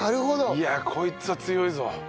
いやあこいつは強いぞ。